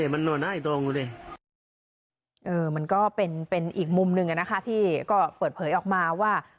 มันก็เป็นอีกมุมหนึ่งที่ก็เปิดเผยออกมาว่า